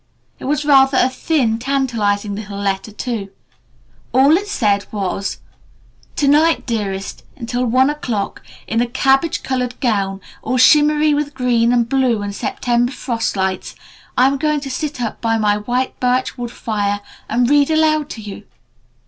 It was rather a thin, tantalizing little letter, too. All it said was, "To night, Dearest, until one o'clock, in a cabbage colored gown all shimmery with green and blue and September frost lights, I'm going to sit up by my white birch wood fire and read aloud to you.